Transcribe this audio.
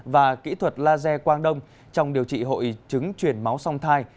và kỹ thuật laser quang đông trong điều trị hội chứng chuyển máu song thai